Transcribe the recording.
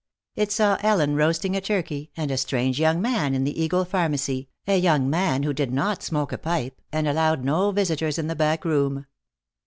It saw Ellen roasting a turkey, and a strange young man in the Eagle Pharmacy, a young man who did not smoke a pipe, and allowed no visitors in the back room.